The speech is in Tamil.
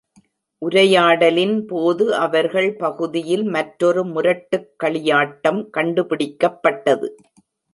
உரையாடலின் போது அவர்கள் பகுதியில் மற்றொரு முரட்டுக் களியாட்டம் கண்டுபிடிக்கப்பட்டது.